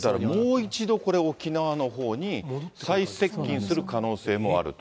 もう一度これ、沖縄のほうに再接近する可能性もあると。